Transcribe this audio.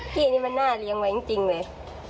ที่นี่มันน่าเลี้ยงไว้จริงเลย